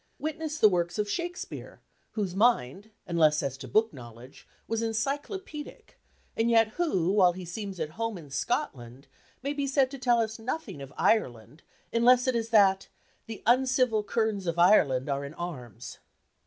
Witness the works of Shakespeare, whose mind, unless as to book knowledge, was encyclopædic, and yet who, while he seems at home in Scotland, may be said to tell us nothing of Ireland, unless it is that "The uncivil kerns of Ireland are in arms."